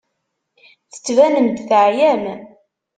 Tettbanem-d teɛyam.